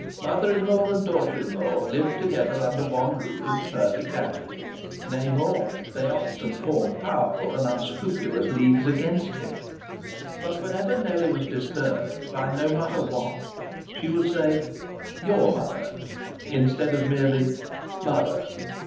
Mother in law and daughter in law lived together under one roof in perfect amity. Nay, more, they often formed powerful and unscrupulous leagues against him. But whenever Nellie was disturbed, by no matter what, she would say "your mother" instead of merely "mother!"